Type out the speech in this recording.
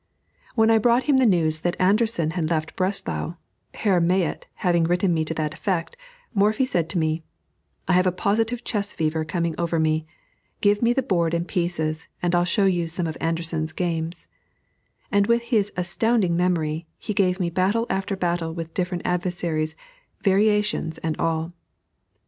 When I brought him the news that Anderssen had left Breslau, Herr Mayet having written me to that effect, Morphy said to me, "I have a positive chess fever coming over me. Give me the board and pieces, and I'll show you some of Anderssen's games." And with his astounding memory, he gave me battle after battle with different adversaries, variations and all.